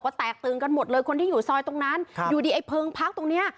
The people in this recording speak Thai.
ก็แตกตื่นกันหมดเลยคนที่อยู่ซอยตรงนั้นอยู่ดีไอ้เพลิงพักตรงเนี้ย